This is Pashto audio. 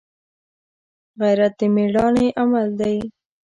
غیرت د مړانې عمل دی